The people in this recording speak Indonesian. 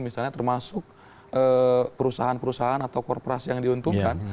misalnya termasuk perusahaan perusahaan atau korporasi yang diuntungkan